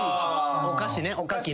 お菓子ねおかきのね。